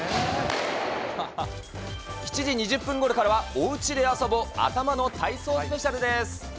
７時２０分ごろからは、おうちであそぼ頭の体操スペシャルです。